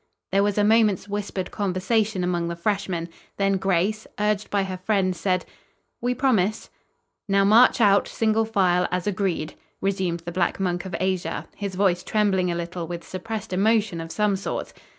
There was a moment's whispered conversation among the freshmen. Then Grace, urged by her friends, said: "We promise." "Now march out, single file, as agreed," resumed the Black Monk of Asia, his voice trembling a little with suppressed emotion of some sort.